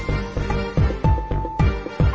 กินโทษส่องแล้วอย่างนี้ก็ได้